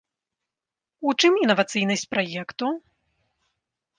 У чым інавацыйнасць праекту?